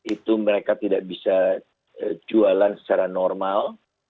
itu mereka tidak bisa jualan secara normal